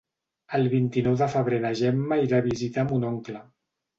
El vint-i-nou de febrer na Gemma irà a visitar mon oncle.